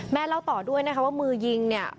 เล่าต่อด้วยนะคะว่ามือยิงเนี่ย